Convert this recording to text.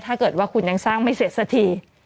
ถ้าเกิดว่าคุณยังสร้างไม่เสร็จสักที